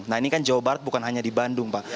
mungkin ada yang diperhatikan bukan hanya di bandung pak